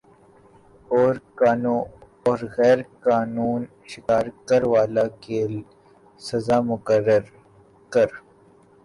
اورقانو اور غیر قانون شکار کر والہ کے ل سزا مقرر کر